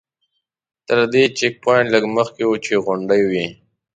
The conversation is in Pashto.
تر دې چیک پواینټ لږ مخکې وچې غونډۍ وې.